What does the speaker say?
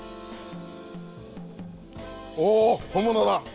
おお本物だ！